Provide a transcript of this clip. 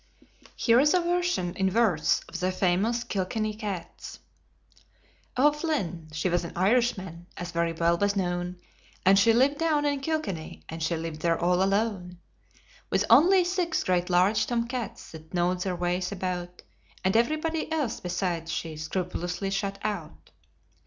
Here is a version in verse of the famous "Kilkenny Cats": "O'Flynn, she was an Irishman, as very well was known, And she lived down in Kilkenny, and she lived there all alone, With only six great large tom cats that knowed their ways about; And everybody else besides she scrupulously shut out."